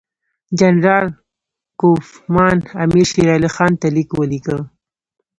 جنرال کوفمان امیر شېر علي خان ته لیک ولیکه.